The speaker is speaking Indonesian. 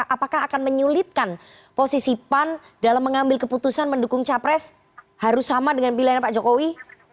apakah akan menyulitkan posisi pan dalam mengambil keputusan mendukung capres harus sama dengan pilihan pak jokowi